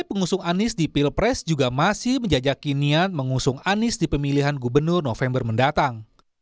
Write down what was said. pengusung anies di pilpres juga masih menjajaki niat mengusung anies di pemilihan gubernur november mendatang